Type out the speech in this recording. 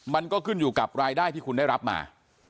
มันก็ขึ้นอยู่กับรายได้ที่คุณได้รับมา